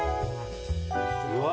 うわ。